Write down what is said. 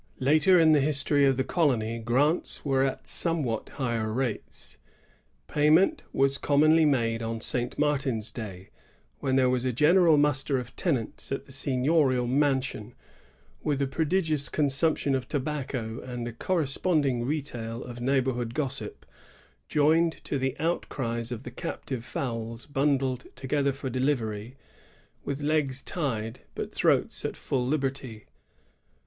LaSr in the Wstory of the colony grante were at somewhat higher rates. Payment was com monly made on St. Martin's day, when there was a general muster of tenants at the seigniorial mansion, with a prodigious consumption of tobacco and a cor responding retail of neighborhood gossip, joined to the outcries of the captive fowls bundled together for delivery, with legs tied, but throats at full liberty.